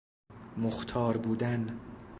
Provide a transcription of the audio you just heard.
مختار بودن